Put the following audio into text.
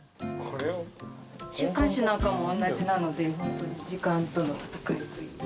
週刊誌なんかもおんなじなのでホントに時間との闘いという。